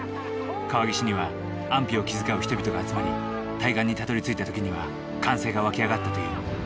川岸には安否を気遣う人々が集まり対岸にたどりついた時には歓声が沸き上がったという。